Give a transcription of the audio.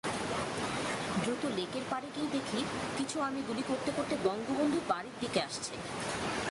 দ্রুত লেকের পাড়ে গিয়ে দেখি কিছু আর্মি গুলি করতে করতে বঙ্গবন্ধুর বাড়ির দিকে আসছে।